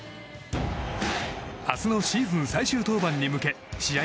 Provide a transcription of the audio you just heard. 明日のシーズン最終登板に向け試合